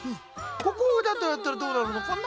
ここだったらどうなるのかな？